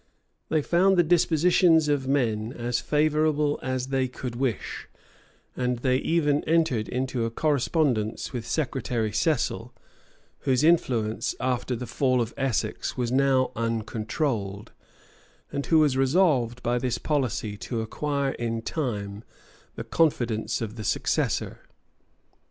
[*] They found the dispositions of men as favorable as they could wish; and they even entered into a correspondence with Secretary Cecil, whose influence, after the fall of Essex, was now uncontrolled,[] and who was resolved, by this policy, to acquire in time the confidence of the successor.